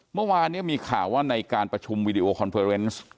เมื่อวานนี้มีข่าวว่าในการประชุมวีดีโอคอนเฟอร์เนส